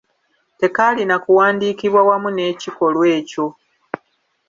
Tekaalina kuwandiikibwa wamu n'ekikolwa ekyo.